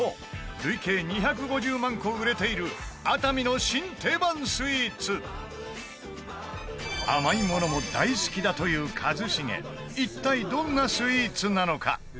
累計２５０万個売れている熱海の新定番スイーツ甘いものも大好きだという一茂一体どんなスイーツなのか？